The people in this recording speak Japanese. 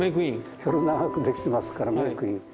ひょろ長くできてますからメークイン。